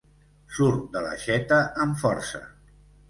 Surt de l'aixeta amb força.